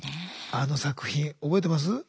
あの作品覚えてます？